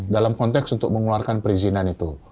dalam konteks untuk mengeluarkan perizinan itu